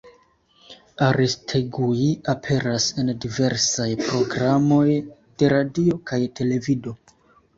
Aristegui aperas en diversaj programoj de radio kaj televido.